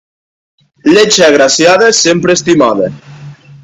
Lletja agraciada, sempre estimada.